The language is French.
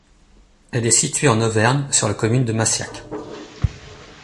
Elle est située en Auvergne sur la commune de Massiac.